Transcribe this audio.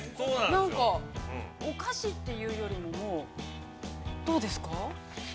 なんか、お菓子っていうよりももうどうですか？